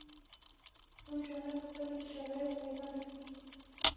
کوم ژانر خپل شرایط پیدا نکړي.